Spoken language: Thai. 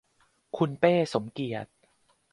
คุณเป้ สมเกียรติ